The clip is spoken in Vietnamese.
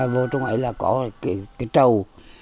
vô trong ấy là có cái trầu